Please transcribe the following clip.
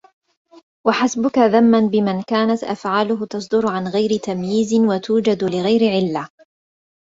وَحَسْبُك ذَمًّا بِمَنْ كَانَتْ أَفْعَالُهُ تَصْدُرُ عَنْ غَيْرِ تَمْيِيزٍ ، وَتُوجَدُ لِغَيْرِ عِلَّةٍ